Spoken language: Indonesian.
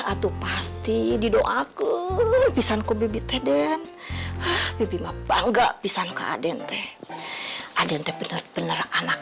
itu pasti di doaku pisanku bibit eden bibit bangga pisang ke adente adente bener bener anak